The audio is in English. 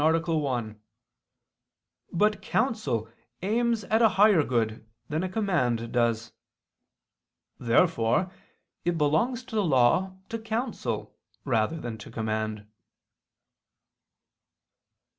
1). But counsel aims at a higher good than a command does. Therefore it belongs to law to counsel rather than to command.